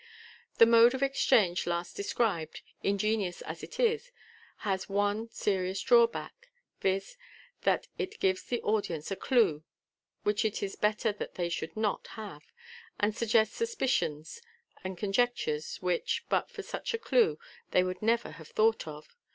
The mode of exchange last described, ingenious as it is, has one serious drawback — viz., that it gives the audience a clue which it is better that they should not have, and suggests suspicions and con jectures which, but for such a clue, they would never have thought of.